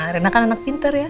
reina kan anak pinter ya